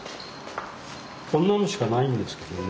こんなのしかないんですけどね。